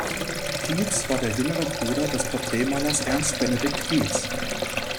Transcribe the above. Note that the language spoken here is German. Kietz war der jüngere Bruder des Porträtmalers Ernst Benedikt Kietz.